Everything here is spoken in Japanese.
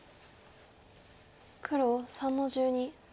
黒３の十二。